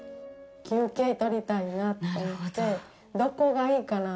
休憩を取りたいなと思って、どこがいいかな。